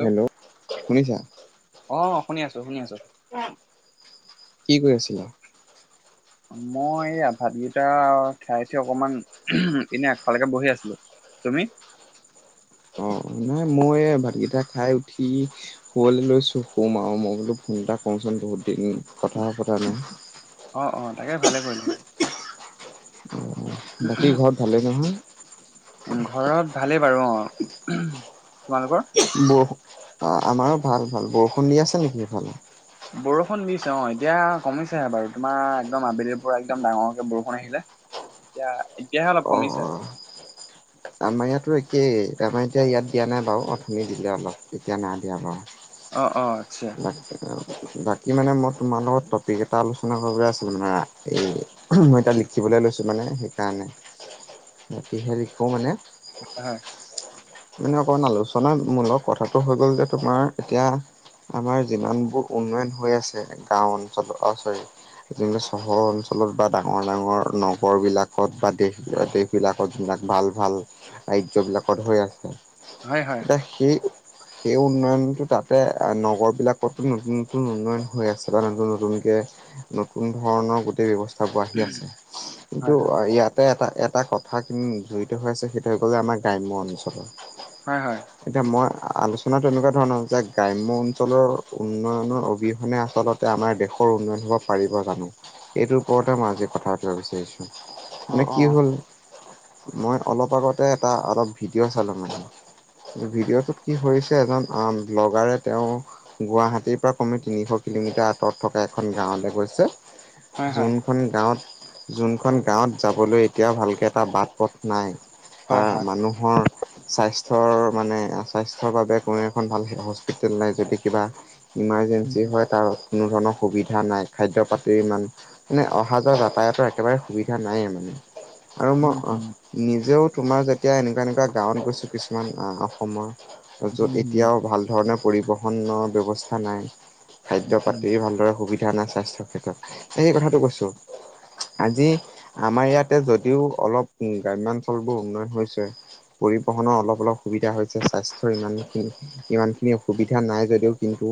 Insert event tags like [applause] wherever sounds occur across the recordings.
Hello শুনিছা? অ শুনি আছো, শুনি আছো। কি কৰি আছিলা? মই এই আ ভাতকেইটা খাই উঠি অকমান এনে আগফালেকে বহি আছিলো। তুমি? অ নাই মই ভাতকেইটা খাই উঠি শুৱলি লৈছো শুম আও মই বোলো ফোন এটা কওঁচোন বহুত দিন কথা কথা নাই। অ অ তাকে ভালে কৰিলে। বাকী ঘৰত ভালে নহয়? ঘৰত ভালেই বাৰু অ। তোমালোকৰ? বৰ আমাৰো ভাল ভাল বৰষুণ দি আছে সেইফালে। বৰষুণ দিছে অ এতিয়া কমিছেহে বাৰু তোমাৰ একদম আবেলিৰ পৰা একদম ডাঙৰকে বৰষুণ আহিলে। এতিয়া এতিয়াহে অলপ অ কমিছে। অ আমাৰ ইয়াতো একেই আমাৰ এতিয়া ইয়াত দিয়া নাই বাৰু অথনি দিলে অলপ এতিয়া নাই দিয়া বাৰু। অ অ আচ্ছা। [unintelligible] বাকী মানে মই তোমাৰ লগত টপিক এটা আলোচনা কৰিবলৈ আছিলোঁ মানে এই মই তাত লিখিবলৈ লৈছো মানে সেইকাৰণে সতিহে লিখো মানে হয়। মানে অকণ আলোচনাৰ মূলক কথাটো হৈ গ'ল যে তোমাৰ এতিয়া আমাৰ যিমানবোৰ উন্নয়ন হৈ আছে গাওঁ অঞ্চলত অ চৰি যিমে চহৰ অঞ্চলত বা ডাঙৰ ডাঙৰ নগৰবিলাকত বা দেশবিল দেশ। বিলাকত যিলাক ভাল ভাল আৰ্য বিলাকত হৈ আছে। হয় হয় এতা সে- সেই উন্নয়নটো তাতে নগৰ বিলাকতো নতুন নতুন উন্নয়ন হৈ আছে বা নতুন নতুনকে নতুন ধৰণৰ গোটেই ব্যৱস্থাবোৰ আহি আছে। কিন্তু হয় হয় ইয়াত এ এটা এটা কথা কি জড়িত হৈ আছে। সেইটো হৈ গ'ল আমাৰ গ্ৰাম্য অঞ্চলত হয় হয়। এতিয়া মই আলোচনা তেনেকুৱা ধৰণৰ যে গ্ৰাম্য অঞ্চলৰ উন্নয়নৰ অবিহনে আচলত- তে আমাৰ দেশৰ উন্নয়ন হ'ব পাৰিব জানো এইটোৰ ওপৰতে মই আজি কথা পাতিব বিচাৰিছোঁ। অ মানে অ কি হল, মই অলপ আগতে এটা অলপ ভিডিঅ' ভিডিঅ'টোত কি হৈছে এজন ব্লগাৰে তেওঁ গুৱাহাটীৰ পৰা কমে তিনিশ কিলোমিটাৰ আঁতৰত থকা এখন গাঁৱলৈ গৈছে। হয় হয় যোনখন গাঁৱত যোনখন গাঁৱত যাবলৈ এতিয়াও ভালকে এটা বাট পথ নাই হয় তাৰ হয় মানুহৰ স্বাস্থ্যৰ মানে স্বাস্থ্যৰ বাবে কোনো এখন ভাল হস্পিটেল নাই। যদি কিবা উম ইমাজেঞ্চি হয় তাৰ কোনো ধৰণৰ সুবিধা নাই। খাদ্য পাতিৰ ইমান মানে অহা যোৱা যাতায়তৰ একেবাৰে সুবিধা নাইয়ে মানে আৰু উম মই অ উম নিজেও তোমাৰ যেতিয়া এনেকুৱা এনেকুৱা গাঁৱত গৈছোঁ কিছুমান অসমৰ য'ত উম এতিয়াও ভাল ধৰণে পৰিবহণৰ ব্যৱস্থা নাই খাদ্য উম পাতি ভালদৰে সুবিধা নাই স্বাস্থ্যৰ ক্ষেত্ৰত। সেই কথাটো কৈছো। আজি আমাৰ ইয়াতে যদিও অলপ উ গ্ৰাম্যাঞ্চল বোৰ উন্নয়ন হৈছে। পৰিবহনৰৰ অলপ অলপ সুবিধা হৈছে স্বাস্থ্যৰ ইমানখিনি সিমান খিনি অসুবিধা নাই যদিও কিন্তু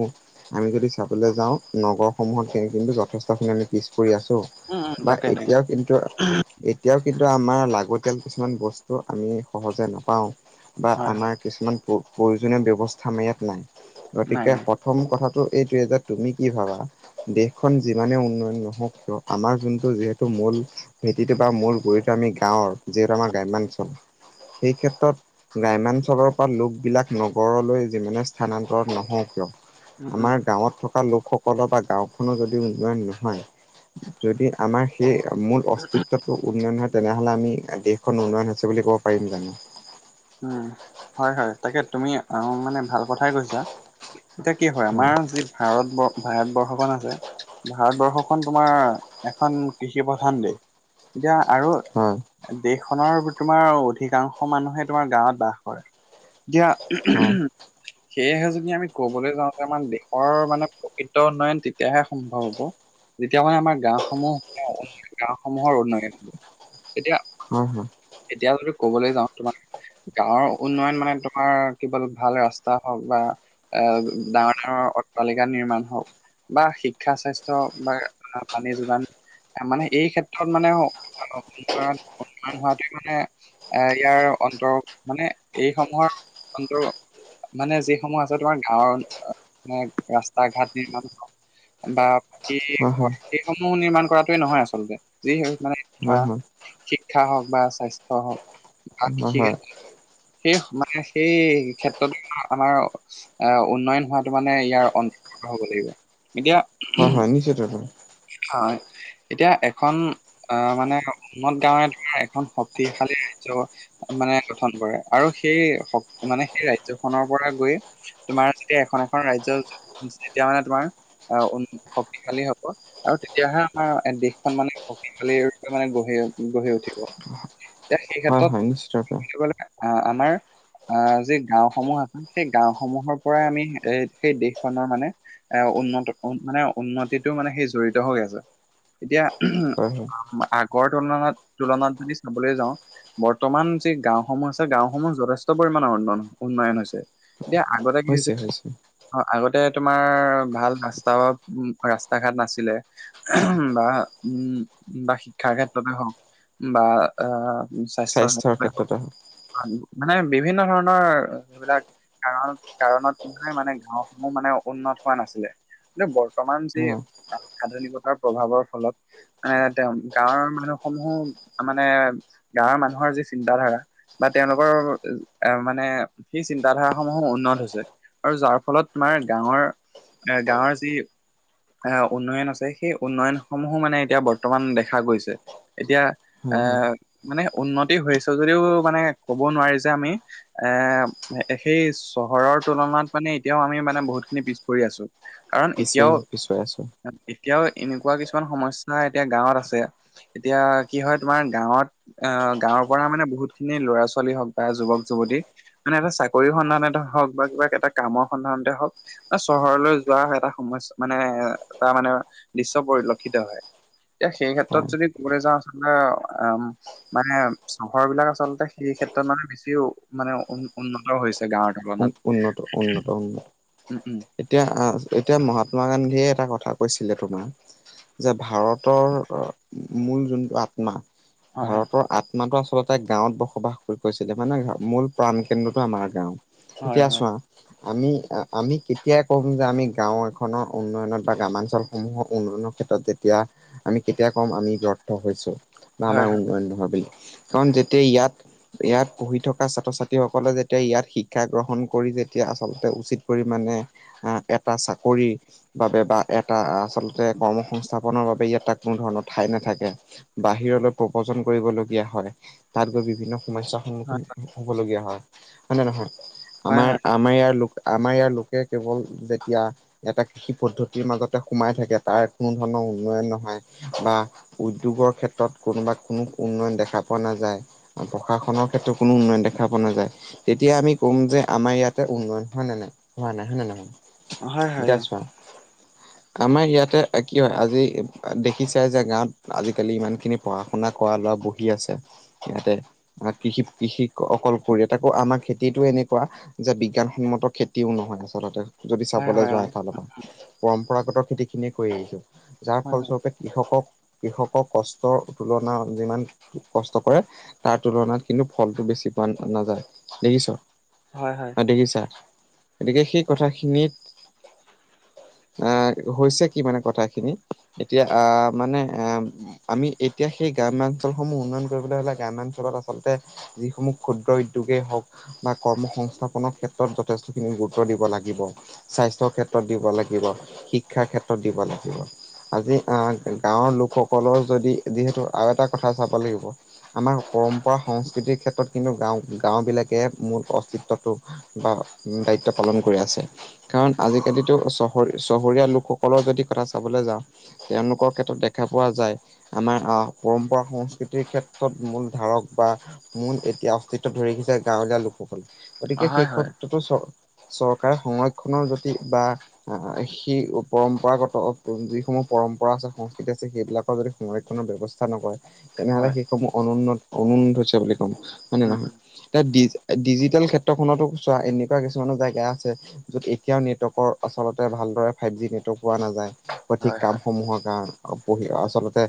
আমি যদি চাবলৈ যাওঁ নগৰসমূহতকৈ কিন্তু যথেষ্টখিনি আমি পিছ পৰি আছোঁ৷ উম উম বা তাকে তাকে এতিয়াও কিন্তু এ এতিয়াও কিন্তু আমাৰ লাগতিয়াল কিছুমান বস্তু আমি সহজে নাপাওঁ। বা হয় হয় আমাৰ কিছুমান প প্ৰয়োজনীয় ব্যৱস্থা আমাৰ ইয়াত নাই নাই গতিকে নাই পথ- প্ৰথম কথাটো এইটোৱে যে তুমি কি ভাবা। দেশখন যিমানে উন্নয়ন নহওক কিয় আমাৰ যোনটো যিহেতু মূল ভেটিটো বা মূল গৈ আমি গাঁৱৰ যিহেতু আমাৰ গ্ৰাম্যাঞ্চল সেই ক্ষেত্ৰত গ্ৰাম্যাঞ্চলৰ পৰা লোকবিলাক নগৰলৈ যিমানে স্থানান্তৰত নহওঁক কিয় উম উম আমাৰ গাঁৱত থকা লোকসকলৰ বা গাঁওখনো যদি উন্নন নহয় যদি আমাৰ সেই মূল অস্তিত্বটো উন্নয়ন হয় তেনেহ'লে আমি দেশখন উন্নয়ন হৈছে বুলি কওঁ পাৰিম জানো৷ উম হয়-হয় তাকে তুমি আহ মানে ভাল কথাই কৈছা। এতিয়া কি হয় আমাৰ যি ভাৰতবৰ্ষ ভাৰতবৰ্ষখন আছে ভাৰতবৰ্ষখন তোমাৰ এখন কৃষি প্ৰধান দেশ। এতিয়া আৰু হয় দেশখনৰ তোমাৰ অধিকাংশ মানুহে তোমাৰ গাঁৱত বাস কৰে। এতিয়া হয় উ সেয়েহে যদি আমি কবলৈ যাওঁতে আমাৰ দেশৰ মানে প্ৰকৃত উন্নয়ন তেতিয়াহে সম্ভৱ হ'ব যেতিয়া মানে আমাৰ গাওসমূহ-গাওসমূহ ৰ উন্নয়ন হব৷ তেতিয়া হয় হয়। এতিয়া যদি কবলৈ যাওঁ তোমাৰ গাঁৱৰ উন্নয়ন মানে তোমাৰ কেৱল ভাল ৰাস্তা হওক বা এ ডাঙৰ-ডাঙৰ অট্টালিকা নিৰ্মাণ হওক বা শিক্ষা স্বাস্থ্যৰ বা পানী যোগান মানে এই ক্ষেত্ৰত মানে উন্নয়ন হোৱাটো মানে এ ইয়াৰ অন্তৰ মানে এইসমূহৰ অন্তৰ মানে যিসমূহ আছে তোমাৰ গাঁওৰ মানে ৰাস্তা ঘাট নিৰ্মাণ বা বাকী হয় ঘ হয় সেইসমূহ নিৰ্মাণ কৰাটোৱে নহয় আচলতে যি মানে হয় হয় হয় ধৰা [unintelligible] শিক্ষা হওক বা স্বাস্থ্য হওক বা হয় কৃষি হয় সেই মানে সেই ক্ষেত্ৰতো আমাৰ আহ উন্নয়ন হোৱাটো মানে ইয়াৰ অন্ত [unintelligible] হব লাগিব এতিয়া হয়-হয় নিশ্চয় ত [unintelligible] হয় এতিয়া এখন আহ মানে উন্নত গাৱে ধৰা এখন শক্তিশালী ৰাজ্য মানে গঠন কৰে আৰু সেই মানে সেই ৰাজ্যখনৰ পৰা গৈয়ে তোমাৰ যেতিয়া এখন-এখন ৰাজ্য যেতিয়া মানে তোমাৰ আহ শক্তিশালী আৰু তেতিয়াহে আমাৰ দেশখন মানে শক্তিশালীৰূপে মানে গঢ়ি গঢ়ি উঠিব। এতিয়া সেই হয় হয় নিশ্চিত হয় ক্ষেত্ৰত আমাৰ আহ যি গাওসমূহ আছে সেই গাওসমূহৰ পৰাই আমি এ সেই দেশখনৰ মানে এ উন্নত উ মানে উন্নতিত টো মানে সেই জড়িত হৈ আছে এতিয়া হয় আ গড় তুলনাত-তুলনাত যদি চাবলৈ যাওঁ বৰ্তমান যি গাঁওসমূহ আছে গাঁওসমূহ যথেষ্ট পৰিমাণৰ উন্নয়ন হৈছে৷ এতিয়া আগতে কি হৈছে অ আগতে তোমাৰ ভাল ৰাস্তা উ ৰাস্তা ঘাট নাছিলে বা উম বা শিক্ষাৰ ক্ষেত্ৰতে হওক বা আহ স্বাস্থ্যৰ ক্ষেত্ৰতে হওক মানে বিভিন্ন ধৰণৰ সেইবিলাক কাৰণ-কাৰণ ত তোমাৰ মানে গাওসমূহ মানে উন্নত হোৱা নাছিলে। এনে বৰ প্ৰমাণ যি হয় আ-আধুনিকতাৰ প্ৰভাৱৰ ফলত নে তেওঁ গাঁৱৰ মানুহসমূহ মানে গাঁৱৰ মানুহৰ যি চিন্তা-ধাৰা বা তেওঁলোকৰ এ মানে সেই চিন্তা-ধাৰা সমূহ উন্নত হৈছে। আৰু যাৰ ফলত তোমাৰ গাঁৱৰ এ গাঁৱৰ যি আহ উন্নয়ন আছে সেই উন্নয়ন সমূহো মানে এতিয়া বৰ্তমান দেখা গৈছে৷ এতিয়া এ হয় হয় মানে উন্নতি হৈছে যদিও মানে ক'ব নোৱাৰি যে আমি এ সেই চহৰৰ তুলনাত মানে এতিয়াও আমি মানে বহুত খিনি পিছ পৰি আছো। কাৰণ পিছই এতিয়াও পিছুৱাই আছো। এতিয়াও এনেকুৱা কিছুমান সমস্যা এতিয়া গাঁৱত আছে। এতিয়া কি হয় তোমাৰ গাঁৱত আ গাঁৱৰ পৰা মানে বহুত খিনি ল'ৰা-ছোৱালী হওক বা যুৱক-যুৱতী মানে এটা চাকৰি সন্ধানতে হওক বা কিবা এটা কামৰ সন্ধানতে হওক আ চহৰলৈ যোৱা এটা সমস্যা মানে এটা মানে দৃশ্য পৰিলক্ষিত হয়। এতিয়া সেই ক্ষেত্ৰত হয় যদি ক'বলে যাওঁ আচলতে অ-অম মানে চহৰ বিলাক আচলতে সেই ক্ষেত্ৰত মানে বেছি মানে উ উন্নত হৈছে। গাঁৱত উন উন্নত, উন্নত, উন্নত উম উম এতিয়া আ এতিয়া মহাত্মা গান্ধীয়ে এটা কথা কৈছিলে তোমাৰ যে ভাৰতৰ মূল যোনটো আত্মা, হয় হয় ভাৰতৰ আত আত্মাটো আচলতে গাঁৱত বসবাস কৰি কৰিছিলে, মানে মূল প্ৰাণ কেন্দ্ৰটো আমাৰ গাঁও। হয় এতিয়া হয় চোৱা আমি আমি কেতিয়া কম যে আমি গাওঁ এখনৰ উন্নয়নত বা গ্ৰামাঞ্চলসমূহৰ উন্নয়নৰ ক্ষেত্ৰত যেতিয়া আমি কেতিয়া কম আমি ব্যৰ্থ হৈছো বা হয় আমাৰ উন্নয়ন নহয় বুলি। কাৰণ যেতিয়া ইয়াত ইয়াত পঢ়ি থকা ছাত্ৰ- ছাত্ৰীসকলে যেতিয়া ইয়াত শিক শিক্ষা গ্ৰহণ কৰি যেতিয়া আচলতে উচিত পৰিমাণে আ এটা চাকৰি বাবে বা এটা আচলতে কৰ্ম সংস্থাপনৰ বাবে ই এটা কোনো ধৰণৰ ঠাই নাথাকে। বাহিৰলৈ প্ৰবজন কৰিবলগীয়া হ'য়। তাত গৈ বিভিন্ন সমস্যা হয় সন্মুখীন হ'বলগীয়া হ'য়। হ'য় নে নহয়? হয় হয় আমাৰ আমাৰ ইয়াৰ লোক আমাৰ ইয়াৰ লোকে কেৱল যেতিয়া এটা কৃষি পদ্ধতিৰ মাজতে সোমাই থাকে। তাৰ কোনো ধৰণৰ উন্নয়ন নহয়। বা উদ্যোগৰ ক্ষেত্ৰত কোনোবা কোনো উন্নয়ন দেখা পোৱা নাযায়। প্ৰশাসনৰ ক্ষেত্ৰত কোনো উন্নয়ন দেখা পোৱা নাযায়। তেতিয়া আমি কম যে আমাৰ ইয়াতে উন্নয়ন হ'য় নে নাই? হোৱা নাই হ'য় নে নহয়? হয় হয় হয় এতিয়া চোৱা আমাৰ ইয়াতে কি হ'য় আজি দেখি চাই যে গাঁৱত আজি-কালি ইমান খিনি পঢ়া-শুনা কৰা ল'ৰা বহি আছে। সিহঁতে কৃষি কৃষি অকল কৰি তাকো আমাৰ খেত খেতিটো এনেকুৱা যে বিজ্ঞানসন্মত খেতিও নহয় আচলতে যদি হয় চাবলৈ হয় যোৱা অ এফালৰ পৰা। পৰম্পৰাগত খেতি খিনিয়ে কৰি আহিছোঁ। যাৰ হয় হয় ফলস্বৰূপে কৃষকক কৃষকক কষ্টৰ তুলনা যিমান খিনি কষ্ট কৰে তাৰ তুলনাত কিন্তু ফলটো বেছি পোৱা না নাযায়। দেখিছ? হয়, হয়। দেখিছা? গতিকে সেই কথাখিনিত আ হৈছে কি মানে কথাখিনি? এতিয়া আ মানে আ আমি এতিয়া সেই গ্ৰাম্যাঞ্চলসমূহ উন্নয়ন কৰিবলৈ হ'লে গ্ৰাম্যাঞ্চলত আচলতে যিসমূহ ক্ষুদ্ৰ উদ্যোগেই হওক বা কৰ্মসংস্থাপনৰ ক্ষেত্ৰত যথেষ্টখিনি গুৰুত্ব দিব লাগিব। স্বাস্থ্যৰ ক্ষেত্ৰত দিব লাগিব, শিক্ষাৰ ক্ষেত্ৰত দিব লাগিব। আজি আ গাঁওৰ লোকসকলৰ যদি, যিহেতু আৰু এটা কথা চাব লাগিব। আমাৰ পৰম্পৰা সংস্কৃতিৰ ক্ষেত্ৰত কিন্তু গাঁও গাঁওবিলাকে মূল অস্তিত্বটো বা দায়িত্ব পালন কৰি আছে। কাৰণ আজি-কালিটো চহৰী-চহৰীয়া লোকসকলৰ যদি কথা চাবলে যাওঁ তেওঁলোকৰ ক্ষেত্ৰত দেখা পোৱা যায়। আমাৰ অ পৰম্পৰা সংস্কৃতিৰ ক্ষেত্ৰত মূল ধাৰক বা মূল এতিয়া অস্তিত্ব ধৰি ৰাখিছে গাঁৱলীয়া লোকসকলে। গতিকে হয় সেই হয় ক্ষত্ৰতো চ চৰকাৰে সংৰক্ষণৰ জটি বা আ সেই পৰম্পৰাগত যিসমূহ পৰম্পৰা আছে, সংস্কৃতি আছে সেইবিলাক যদি সংৰক্ষণৰ ব্যৱস্থা নকৰে। তেনেহ'লে হয় সেইসমূহ অনুন্নত অনুন্নত হৈছে বুলি ক'ব। হ'য় নে উম নহয়? উম এতিয়া দিছ ডিজিটেল ক্ষেত্ৰখনটো চোৱা এনেকুৱা কিছুমানো জেগা আছে যত এতিয়াও নেটৱৰ্কৰ আচলতে ভালদৰে ফাইভ জি নেটৱৰ্ক পোৱা নাযায়। সঠিক হয় হয় কামসমূহৰ কাৰণ অ পঢ়ি আচলতে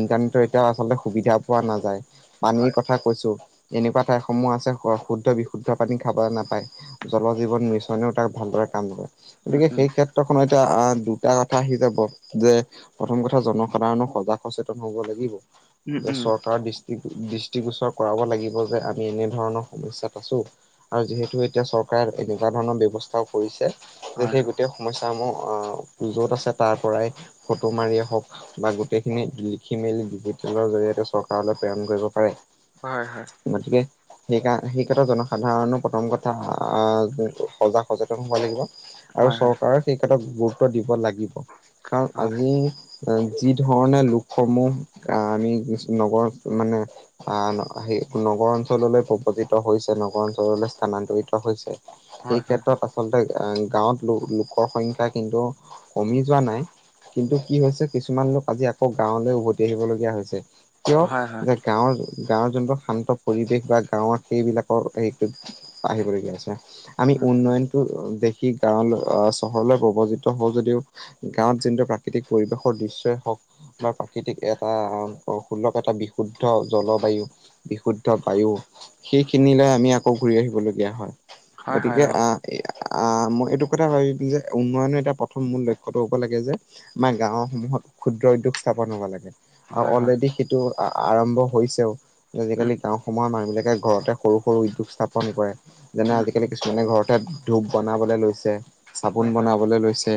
ইন্টাৰনেটৰ এতিয়াও আচলতে সুবিধা পোৱা নাযায়। পানীৰ হয় কথা কৈছো এনেকুৱা ঠাইসমূহ আছে [unintelligible] শুদ্ধ বিশুদ্ধ পানী খাব নাপায়। জল জীৱন মিছনেও তাত ভালদৰে কাম নকৰে। উম গতিকে উম সেই ক্ষেত্ৰখনত এতিয়া আ দুটা কথা আহি যাব যে প্ৰথম কথা জনসাধাৰণৰ সজাগ সচেতন হব লাগিব। উম যে উম চৰকাৰৰ দৃষ্টি দৃষ্টিগোচৰ কৰাব লাগিব যে আমি এনেধৰণৰ সমস্যাত আছোঁ, আৰু যিহেতু এতিয়া চৰকাৰে এনেকুৱা ধৰণৰ ব্যৱস্থাও কৰিছে, যে হয় সেই হয় গোটেই সমস্যাসমূহ আহ, যত আছে তাৰ পৰাই ফটো মাৰিএ হওঁক বা গোটেইখিনি লিখি মেলি ডিজিটেলৰ জৰিয়তে চৰকাৰলৈ প্ৰেৰণ কৰিব পাৰে। হয়-হয়। গতিকে সেইকাৰণে সেই কিটা জনসাধাৰণৰ প্ৰথম কথা আহ সজাগ সচেতন হব লাগিব। আৰু হয় হয় চৰকাৰে সেই ক্ষেত্ৰত গুৰুত্ব দিব লাগিব। কাৰণ হয় আজি অ, যি ধৰণে লোকসমূহ আহ আমি নগৰ মানে আন হে সেই নগৰ অঞ্চললৈ উপজিত হৈছে নগৰ অঞ্চললৈ স্থানান্তৰিত হৈছে, হয় এই হয় ক্ষেত্ৰত পাছত আচলতে অহ গাঁৱত লোক লোকৰ সংখ্যা কিন্তু কমি যোৱা নাই কিন্তু কি হৈছে কিছুমান লোক আজি আকৌ গাঁৱলৈ উভতি আহিবলগীয়া হৈছে। কিয় হয় হয় যে গাঁৱৰ-গাঁৱৰ যোনটো শান্ত পৰিৱেশ বা গাঁৱত সেইবিলাকৰ হেৰিটোত আহিবলগীয়া হৈছে। আমি উম উম উন্নয়ন তো দেখি গাঁৱলৈ আহ চহৰলৈ প্ৰৱজিত হওঁ যদিও গাঁৱত যোনটো প্ৰাকৃতিক পৰিৱেশৰ দৃশ্যই হওঁক বা প্ৰাকৃতিক এটা সুলভ এটা বিশুদ্ধ জলবায়ু বিশুদ্ধ বায়ু, সেইখিনিলৈ আমি আকৌ ঘূৰি আহিবলগীয়া হয়। হয় হয় গতিকে অ আহ মই এইটো কথা [unintelligible] যে উন্নয়নৰ এটা প্ৰথম মূল লক্ষ্য হব লাগে যে আমাৰ গাঁও সমূহত ক্ষুদ্ৰ উদ্যোগ স্থাপন হব লাগে। আৰু হয় হয় অলৰেডি সেইটো আৰম্ভ হৈছেও। উম আজিকালি গাঁওসমূহৰ মানুহ বিলাকে ঘৰতে সৰু-সৰু উদ্যোগ স্থাপন কৰে যেনে উম আজিকালি কিছুমানে ঘৰতে ধূপ বনাবলৈ লৈছে, চাবোন হয় হয় বনাবলৈ লৈছে।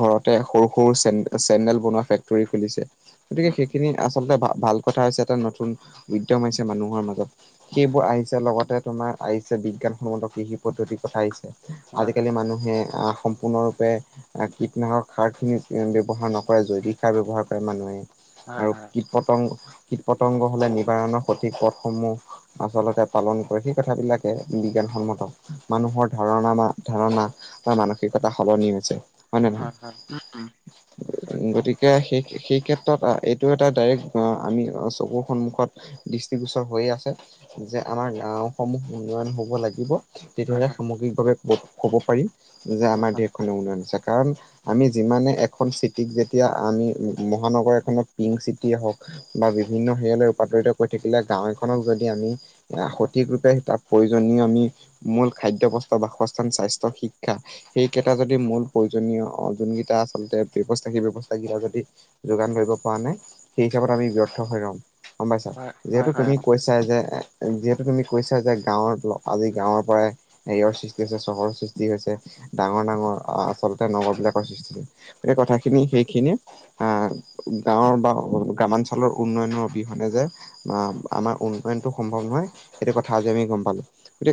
ঘৰতে সৰু-সৰু চে চেন্দেল বনোৱা ফেক্টৰী খুলিছে। গতিকে উম উম সেইখিনি আচলতে ভাল-ভাল কথা হৈছে এটা নতুন উদ্যম আহিছে মানুহৰ মাজত। সেইবোৰ আহিছে লগতে তোমাৰ আহিছে বিজ্ঞানসন্মত কৃষি পদ্ধতিৰ কথা আহিছে। হয় হয় আজিকালি মানুহে আহ সম্পূৰ্ণৰূপে প্ৰায় কীটনাশক সাৰ খিনি ব্যৱহাৰ নকৰে, জৈৱিক সাৰ ব্যৱহাৰ কৰে মানুহে। হয় আৰু হয় কীট পতংগ-কীট পতংগ হলে নিবাৰণৰ সঠিক পথসমূহ। আচলতে পালন কৰে সেই কথাবিলাকে বিজ্ঞানসন্মত মানুহৰ ধাৰণা বা ধাৰণা তাৰ মানসিকতা সলনি হৈছে, হয় নে নহয়? হয় উম উম নিশ্চয় গতিকে কে সেই-সেই ক্ষেত্ৰত এইটো এটা ডাইৰেক্ট আমি চকুৰ সন্মুখত দৃষ্টিগোচৰ হৈয়ে আছে। যে আমাৰ গাঁওসমূহ উন্নয়ন হব লাগিব, হয় তেতিয়াহলে হয় সামগ্ৰিকভাৱে ক, ক'ব পাৰি যে হয় আমাৰ হয় দেশখনৰ উন্নয়ন আছে কাৰণ, আমি যিমানে এখন চিটিক যেতিয়া আমি মহানগৰ এখনত পিংক চিটি হওক বা বিভিন্ন হেৰিলৈ ৰূপানৰিত কৰি থাকিলে গাঁও এখনক যদি এই আমি সঠিক ৰূপে তাক প্ৰয়োজনীয় আমি মূল খাদ্য প্ৰস্তুৱ বাসস্থান স্বাস্থ্য শিক্ষা। সেইকেইটা যদি মূল প্ৰয়োজনীয় যোনকেইটা আচলতে ব্যৱস্থাকি সেই ব্যৱস্থাকি কেইটা যদি যোগান ধৰি পৰা নাই সেই হিচাপত আমি ব্যৰ্থ হৈ ৰম গম পাইছা হয় যিহেতু হয় হয় তুমি কৈছা। চাই যে যিহেতু তুমি কৈছা যে গাঁওৱত আজি গাঁওৱৰ পৰাই। হেৰিয়ৰ সৃষ্টি হৈছে চহৰৰ সৃষ্টি হৈছে ডাঙৰ ডাঙৰ আচলতে নগৰ বিলাকৰ সৃষ্টি, এই কথাখিনি সেইখিনি। আহ গাঁৱৰ বা গ্ৰামাঞ্চলৰ উন্নয়নৰ অবিহনে যে আ আমাৰ, উন্নয়নটো সম্ভৱ নহয়, সেইটো কথা আজি আমি গম পালো,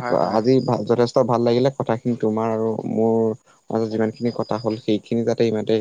হয় হয় হয় আজি যথেষ্ট, ত ভাল লাগিলে কথাখিনি তোমাৰ আৰু মোৰ মাজত যিমানখিনি কথা হ'ল সেইখিনি যাতে ইমানতে